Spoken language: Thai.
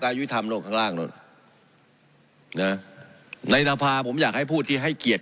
อายุธรรมโลกข้างล่างนู้นนะในนภาผมอยากให้ผู้ที่ให้เกียรติ